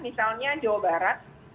misalnya jawa barat